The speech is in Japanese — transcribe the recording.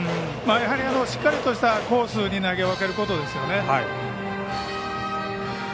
やっぱりしっかりしたコースに投げ分けることですね。